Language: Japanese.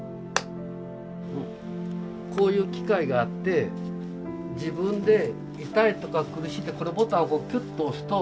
こういう機械があって自分で痛いとか苦しい時にこれボタンをキュッと押すと。